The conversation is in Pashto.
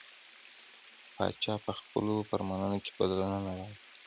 پاچا به په خپلو فرمانونو کې بدلونونه راوستل.